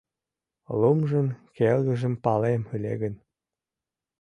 Лумжын келгыжым палем ыле гын